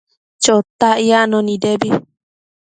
Chotac yacno nidebi